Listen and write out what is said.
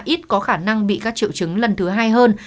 ít có khả năng bị các triệu chứng lần thứ hai hơn